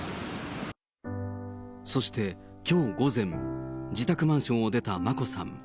そしてきょう午前、自宅マンションを出た眞子さん。